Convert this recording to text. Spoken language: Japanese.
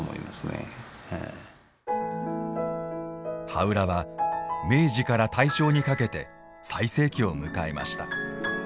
羽裏は、明治から大正にかけて最盛期を迎えました。